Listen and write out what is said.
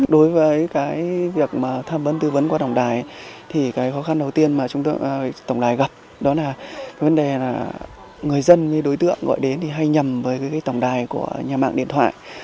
đối với cái việc mà tham vấn tư vấn qua tổng đài thì cái khó khăn đầu tiên mà chúng tôi tổng đài gặp đó là vấn đề là người dân như đối tượng gọi đến thì hay nhầm với cái tổng đài của nhà mạng điện thoại